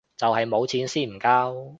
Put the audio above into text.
就係冇錢先唔交